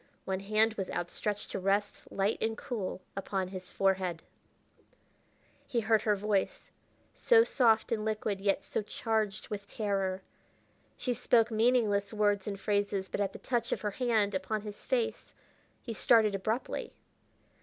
One hand was outstretched to rest, light and cool, upon his forehead. He heard her voice, so soft and liquid yet so charged with terror. She spoke meaningless words and phrases, but at the touch of her hand upon his face he started abruptly.